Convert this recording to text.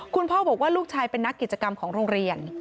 คุณพ่อบอกว่าลูกชายเป็นนักกิจกรรมของโรงเรียน